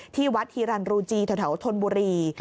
ที่วัดฮีรันรูจีแถวธนบุรี